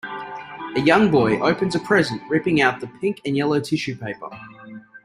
A young boy opens a present ripping out the pink and yellow tissue paper.